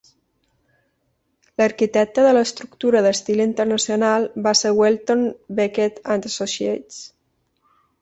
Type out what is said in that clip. L'arquitecte de l'estructura d'estil internacional va ser Welton Becket and Associates.